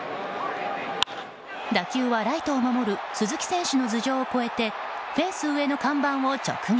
打球は、ライトを守る鈴木選手の頭上を越えてフェンス上の看板を直撃。